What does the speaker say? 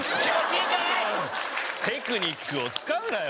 テクニックを使うなよ！